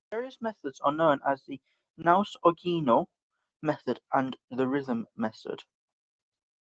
Various methods are known as the Knaus-Ogino method and the rhythm method.